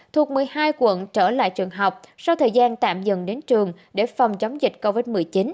thuộc một mươi hai quận trở lại trường học sau thời gian tạm dừng đến trường để phòng chống dịch covid một mươi chín